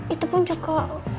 itu pun juga